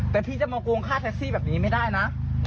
แต่พี่จะมาโกงค่าแท็กซี่แบบนี้ไม่ได้นะ